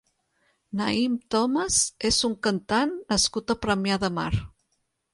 Naím Thomas és un cantant nascut a Premià de Mar.